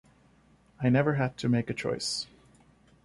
I never had to make a choice.